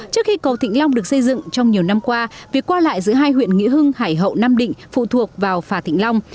trước khi cầu thịnh long được xây dựng trong nhiều năm qua việc qua lại giữa hai huyện nghĩa hưng hải hậu nam định phụ thuộc vào phà thịnh long